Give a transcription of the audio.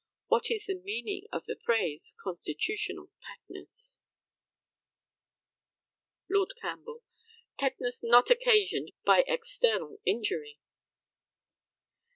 What is the meaning of the phrase "constitutional tetanus?" Lord CAMPBELL: Tetanus not occasioned by external injury.